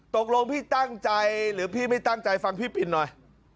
ตกลงพี่ตั้งใจหรือพี่ไม่ตั้งใจฟังพี่ปินหน่อย